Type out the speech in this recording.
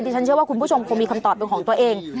ฉันเชื่อว่าคุณผู้ชมคงมีคำตอบเป็นของตัวเอง